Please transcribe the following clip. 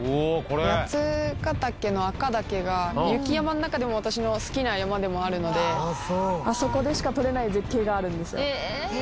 八ヶ岳の赤岳が雪山の中でも私の好きな山でもあるのであそこでしか撮れない絶景があるんですよ。